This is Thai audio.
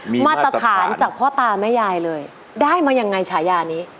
มาตรฐานจากพ่อตาแม่ยายเลยได้มายังไงฉายานี้